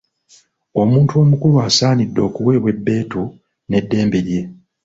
Omuntu omukulu asaanidde okuweebwa ebbeetu ne ddembe lye.